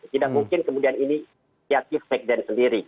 tidak mungkin kemudian ini diakif sekjen sendiri